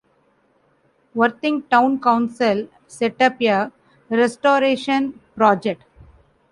Worthing Town Council set up a restoration project.